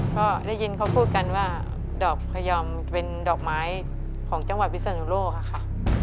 ก็ได้ยินเขาพูดกันว่าดอกขยอมเป็นดอกไม้ของจังหวัดพิศนุโลกค่ะ